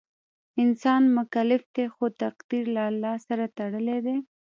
انسان مکلف دی خو تقدیر له الله سره تړلی دی.